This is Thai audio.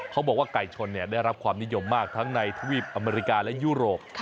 เขาบอกว่าไก่ชนได้รับความนิยมมากทั้งในทวีปอเมริกาและยุโรป